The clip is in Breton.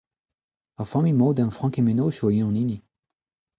Ur familh modern frank he mennozhioù eo hon hini.